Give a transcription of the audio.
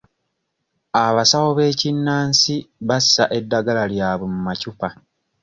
Abasawo b'ekinnansi bassa eddagala lyabwe mu macupa.